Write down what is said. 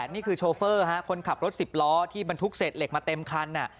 นี่คือโชเฟอร์ฮะคนขับรถสิบล้อที่บรรทุกเศษเหล็กมาเต็มคัน